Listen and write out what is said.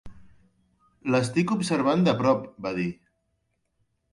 "L'estic observant de prop", va dir.